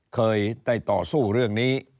เคยได้ต่อสู้เรื่องนี้